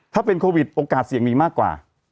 ถ้าเป็นโควิดโอกาสเสี่ยงมีมากกว่า